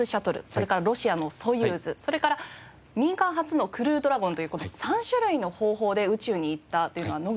それからロシアのソユーズそれから民間初のクルードラゴンという事で３種類の方法で宇宙に行ったというのは野口さんだけですよね。